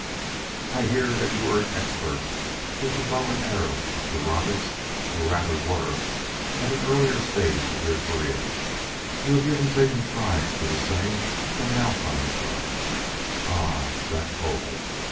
"I hear that you are an expert with the bow and arrow, Mr. Roberts, or rather were at an earlier stage of your career. You have even taken a prize for the same from an Alpine Club." Ah! that told.